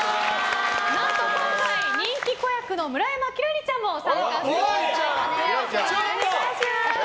何と、今回は人気子役の村山輝星ちゃんも参加してくださいます。